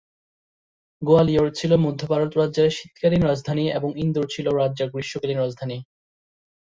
গোয়ালিয়র ছিল মধ্য ভারত রাজ্যের শীতকালীন রাজধানী এবং ইন্দোর ছিল রাজ্যের গ্রীষ্ম কালীন রাজধানী।